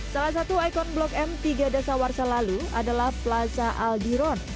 salah satu ikon blok m tiga dasar warsa lalu adalah plaza aldiron